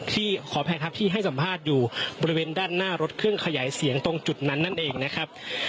ขออภัยครับที่ให้สัมภาษณ์อยู่บริเวณด้านหน้ารถเครื่องขยายเสียงตรงจุดนั้นนั่นเองนะครับ